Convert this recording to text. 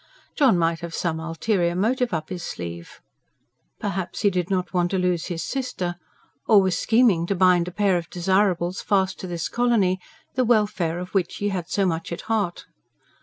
John might have some ulterior motive up his sleeve. Perhaps he did not want to lose his sister ... or was scheming to bind a pair of desirables fast to this colony, the welfare of which he had so much at heart.